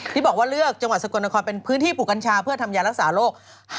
ที่บอกว่าเลือกจังหวัดสกลนครเป็นพื้นที่ปลูกกัญชาเพื่อทำยารักษาโรค